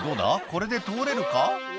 これで通れるか？」